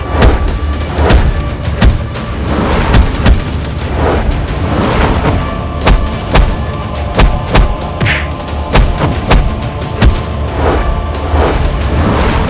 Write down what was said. perutilah bagian ter